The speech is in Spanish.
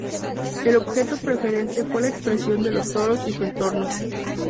El objeto preferente fue la expresión de los toros y su entorno.